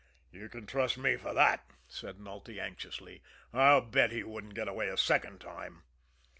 "You can trust me for that," said Nulty anxiously. "I'll bet he wouldn't get away a second time!"